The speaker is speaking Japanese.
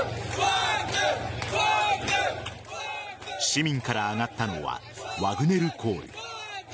市民から上がったのはワグネルコール。